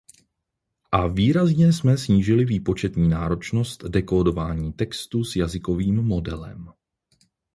A výrazně jsme snížili výpočetní náročnost dekódování textu s jazykovým modelem.